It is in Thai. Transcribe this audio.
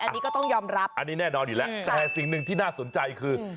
อันนี้ก็ต้องยอมรับอันนี้แน่นอนอยู่แล้วแต่สิ่งหนึ่งที่น่าสนใจคือ